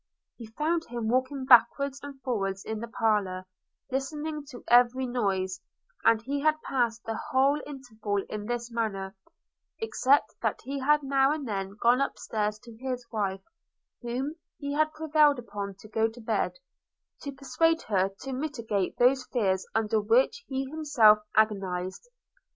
He found him walking backwards and forwards in the parlour, listening to every noise; and he had passed the whole interval in this manner, except that he had now and then gone up stairs to his wife, whom he had prevailed upon to go to bed, to persuade her to mitigate those fears under which he himself agonized.